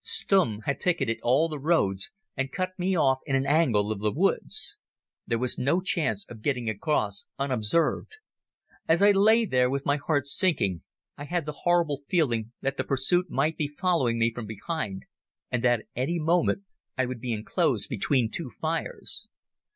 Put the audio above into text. Stumm had picketed all the roads and cut me off in an angle of the woods. There was no chance of getting across unobserved. As I lay there with my heart sinking, I had the horrible feeling that the pursuit might be following me from behind, and that at any moment I would be enclosed between two fires.